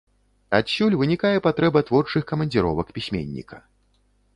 Адсюль вынікае патрэба творчых камандзіровак пісьменніка.